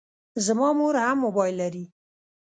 زما مور هم موبایل لري.